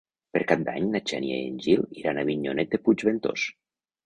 Per Cap d'Any na Xènia i en Gil iran a Avinyonet de Puigventós.